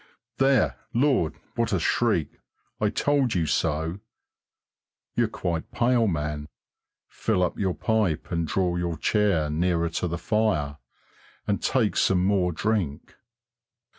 There! Lord, what a shriek! I told you so! You're quite pale, man. Fill up your pipe and draw your chair nearer to the fire, and take some more drink.